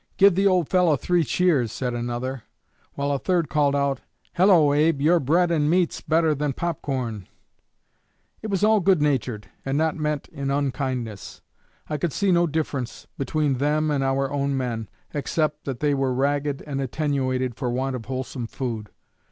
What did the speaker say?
'Give the old fellow three cheers,' said another; while a third called out, Hello, Abe, your bread and meat's better than pop corn!' It was all good natured, and not meant in unkindness. I could see no difference between them and our own men, except that they were ragged and attenuated for want of wholesome food.